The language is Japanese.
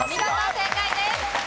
正解です。